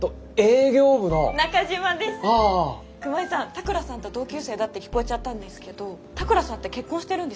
田倉さんと同級生だって聞こえちゃったんですけど田倉さんって結婚してるんですか？